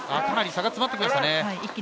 かなり差が詰まってきました。